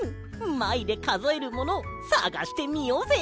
「まい」でかぞえるものさがしてみようぜ。